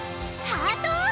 ハートを！